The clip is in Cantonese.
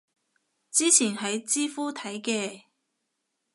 之前喺知乎睇嘅